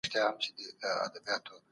هغه خلکو ته لارښوونه وکړه